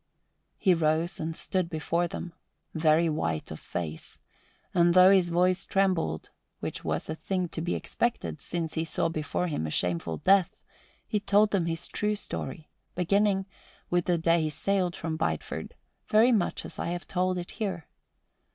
He rose and stood before them, very white of face, and though his voice trembled, which was a thing to be expected since he saw before him a shameful death, he told them his true story, beginning with the day he sailed from Bideford, very much as I have told it here.